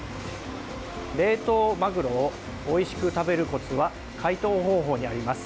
冷凍マグロをおいしく食べるコツは解凍方法にあります。